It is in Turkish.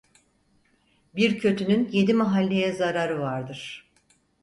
Bir kötünün yedi mahalleye zararı vardır.